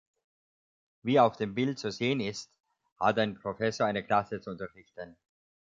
Wie auf dem Bild zu sehen ist, hat ein Professor eine Klasse zu unterrichten.